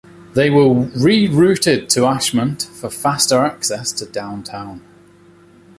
They were rerouted to Ashmont for faster access to downtown.